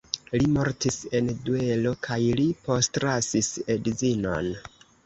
Li mortis en duelo kaj li postlasis edzinon.